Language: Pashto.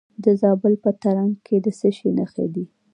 د زابل په ترنک کې د څه شي نښې دي؟